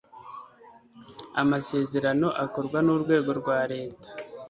Amasezerano akorwa n urwego rwa Leta